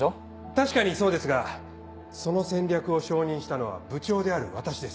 確かにそうですがその戦略を承認したのは部長である私です。